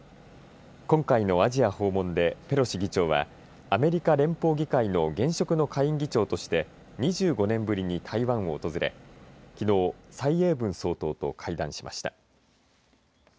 今回のアジア訪問でペロシ議長はアメリカの連邦議会の現職の下院議長として２５年ぶりに台湾を訪れきのう、蔡英文総統と会談しました。